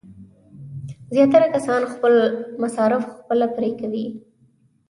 زیاتره کسان خپل مصارف خپله پرې کوي.